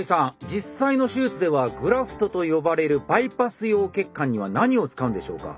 実際の手術ではグラフトと呼ばれるバイパス用血管には何を使うんでしょうか。